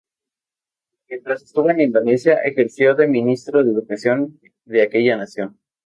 Mientras estuvo en Indonesia, ejerció de ministro de Educación de aquella nación.